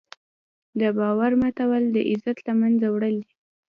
د باور ماتول د عزت له منځه وړل دي.